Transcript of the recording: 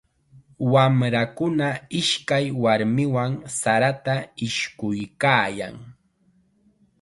Wamrakuna ishkay warmiwan sarata ishkuykaayan.